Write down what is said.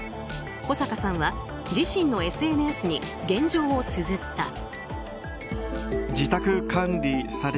古坂さんは、自身のＳＮＳに現状をつづった。